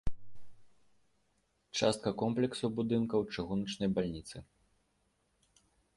Частка комплексу будынкаў чыгуначнай бальніцы.